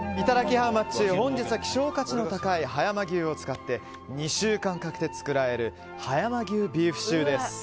ハウマッチ本日は希少価値の高い葉山牛を使って２週間かけて作られる葉山牛ビーフシチューです。